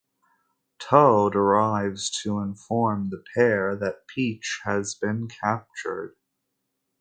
Toad arrives to inform the pair that Peach has been captured.